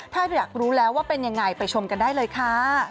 ถ้าอยากรู้แล้วว่าเป็นยังไงไปชมกันได้เลยค่ะ